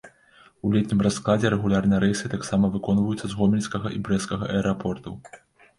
У летнім раскладзе рэгулярныя рэйсы таксама выконваюцца з гомельскага і брэсцкага аэрапортаў.